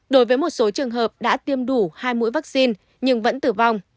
đối với một số trường hợp đã tiêm đủ hai mũi vaccine nhưng vẫn tử vong